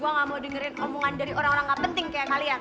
gue gak mau dengerin omongan dari orang orang gak penting kayak kalian